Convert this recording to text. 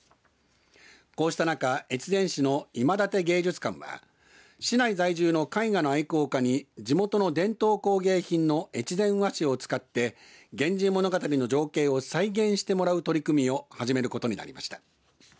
こうした中越前市のいまだて芸術館は市内在住の絵画の愛好家に地元の伝統工芸品の越前和紙を使って源氏物語の情景を再現してもらう取り組みを始めることになりました。